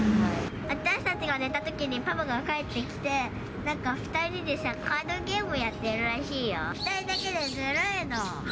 私たちが寝たときにパパが帰ってきて、なんか２人でさ、カードゲームやってるらしいよ。